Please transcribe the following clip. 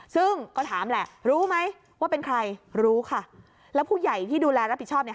ซึ่งก็ถามแหละรู้ไหมว่าเป็นใครรู้ค่ะแล้วผู้ใหญ่ที่ดูแลรับผิดชอบเนี่ย